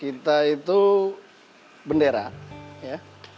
kita itu bendera ya